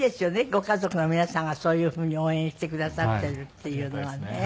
ご家族の皆さんがそういうふうに応援してくださっているっていうのはね。